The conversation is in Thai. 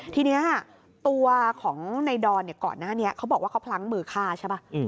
ทีนี้ตัวของในดอนก่อนหน้านี้เขาบอกว่าเขาพลั้งมือฆ่าใช่ป่ะ